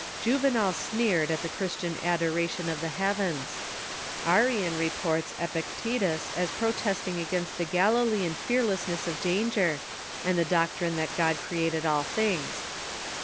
Juvenal sneered at the Christian adoration of the heavens. Arrian reports Epictetus as protesting against the Galilean fearlessness of danger, and the doctrine that God created all things.